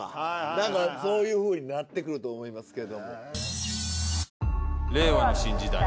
なんかそういうふうになってくると思いますけど。